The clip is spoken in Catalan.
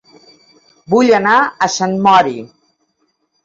Vull anar a Sant Mori